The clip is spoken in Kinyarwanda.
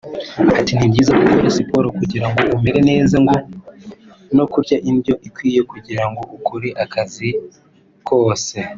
Ati “Ni byiza gukora siporo kugira ngo umere neza no kurya indyo ikwiye kugira ngo ukore akazi kose